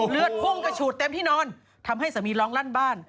พุ่งกระฉูดเต็มที่นอนทำให้สามีร้องลั่นบ้าน